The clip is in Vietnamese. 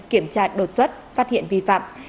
kiểm tra đột xuất phát hiện vi phạm